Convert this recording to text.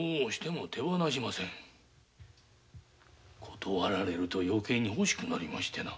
断られると余計に欲しくなりましてな。